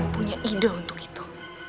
punya ide untuk itu